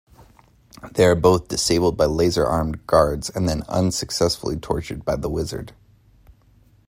They are both disabled by laser-armed guards and then unsuccessfully tortured by the wizard.